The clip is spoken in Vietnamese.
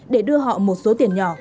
để đưa họ một số tiền nhỏ